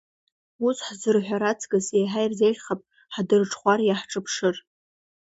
Ус ҳзырҳәар аҵкыс, еиҳа ирзеиӷьхап ҳдырҽхәар, иаҳҿыԥшыр.